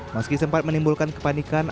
meski sempat menimbulkan kepanikan